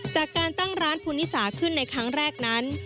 จากการตั้งร้านภูนิสาขึ้นในครั้งแรกนั้น